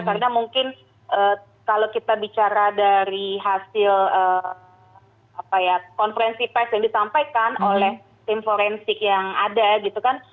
karena mungkin kalau kita bicara dari hasil konferensi pes yang disampaikan oleh tim forensik yang ada gitu kan